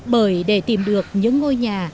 bởi để tìm được những ngôi nhà